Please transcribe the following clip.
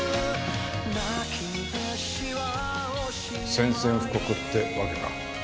宣戦布告ってわけか。